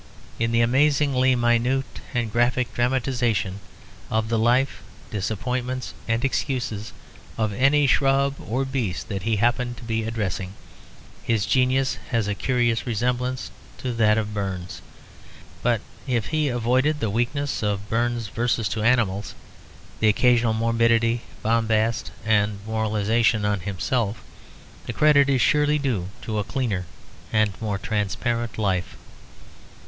In the amazingly minute and graphic dramatisation of the life, disappointments, and excuses of any shrub or beast that he happened to be addressing, his genius has a curious resemblance to that of Burns. But if he avoided the weakness of Burns' verses to animals, the occasional morbidity, bombast, and moralisation on himself, the credit is surely due to a cleaner and more transparent life.